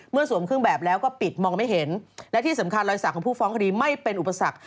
สวมเครื่องแบบแล้วก็ปิดมองไม่เห็นและที่สำคัญรอยสักของผู้ฟ้องคดีไม่เป็นอุปสรรค